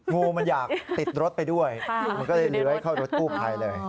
งูมันอยากติดรถไปด้วยมันก็เลยเลื้อยเข้ารถกู้ภัยเลย